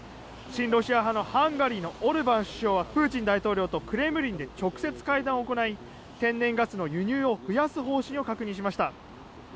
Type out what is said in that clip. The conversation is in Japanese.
親ロシア派のハンガリーのオルバン首相はプーチン大統領とクレムリンで直接会談を行い天然ガスの輸入を増やす方針を確認しました。